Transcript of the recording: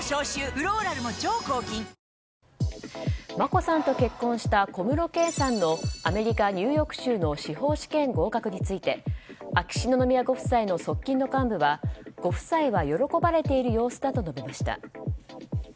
眞子さんと結婚した小室圭さんのアメリカ・ニューヨーク州の司法試験合格について秋篠宮ご夫妻の側近の幹部はご夫妻は喜ばれている様子だと述べました。